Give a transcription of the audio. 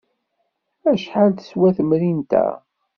Acḥal teswa temrint-a?